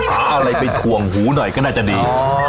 หาอะไรไปถ่วงหูหน่อยก็น่าจะดี